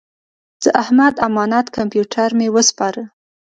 د احمد امانت کمپیوټر مې وسپاره.